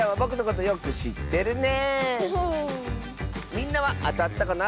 みんなはあたったかな？